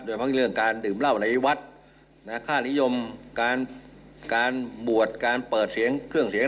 บางเรื่องการดื่มเหล้าในวัดค่านิยมการบวชการเปิดเสียงเครื่องเสียง